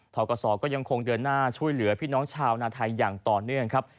กศก็ยังคงเดินหน้าช่วยเหลือพี่น้องชาวนาไทยอย่างต่อเนื่องครับ